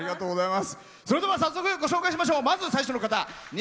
それでは早速、まずは最初の方。